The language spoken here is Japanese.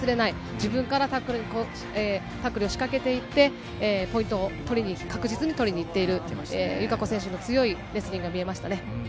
自分からタックルを仕掛けていって、ポイントを取りに、確実に取りにいっている、友香子選手の強いレスリングが見れましたね。